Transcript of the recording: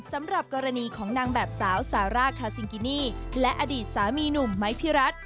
สำหรับกรณีของนางแบบสาวซาร่าคาซิงกินี่และอดีตสามีหนุ่มไม้พี่รัฐ